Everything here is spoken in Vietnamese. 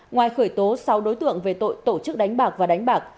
ngoài khởi tố sáu đối tượng về tội tổ chức đánh bạc và đánh bạc